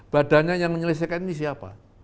badannya yang menyelesaikan ini siapa